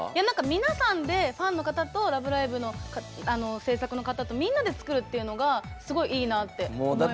皆さんでファンの方と「ラブライブ！」の制作の方とみんなで作るっていうのがすごいいいなって思います。